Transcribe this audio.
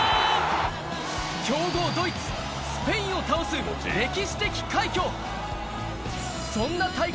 強豪ドイツ、スペインを倒す歴史的快挙。